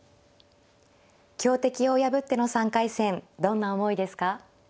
強敵を破っての３回戦どんな思いですか。